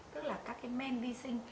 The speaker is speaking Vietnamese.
tức là các men vi sinh